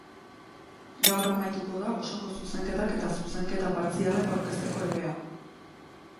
Gaur amaituko da osoko zuzenketak eta zuzenketa partzialak aurkezteko epea.